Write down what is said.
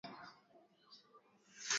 ambavyo vilifungiwa kwa kufanya kazi zake